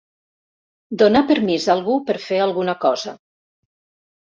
Donar permís a algú per fer alguna cosa.